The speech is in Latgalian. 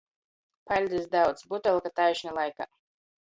Paļdis daudz – butelka taišni laikā.